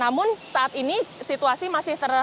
namun saat ini situasi masih